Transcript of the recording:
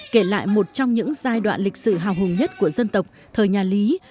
kể lại một trong những giai đoạn lịch sử hào hùng nhất của dân tộc thời nhà lý